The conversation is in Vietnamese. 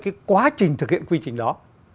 cái quá trình thực hiện quy trình đó